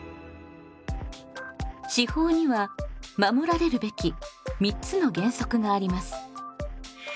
私法には守られるべき三つの原則があります。